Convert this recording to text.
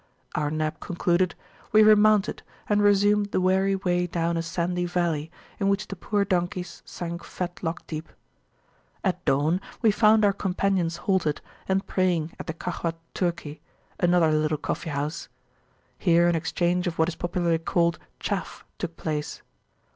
Our nap concluded, we remounted, and resumed the weary way down a sandy valley, in which the poor donkeys sank fetlock deep. At dawn we found our companions halted, and praying at the Kahwat Turki, another little coffee house. Here an exchange of what is popularly called chaff took place.